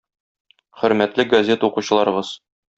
Хөрмәтле газета укучыларыбыз!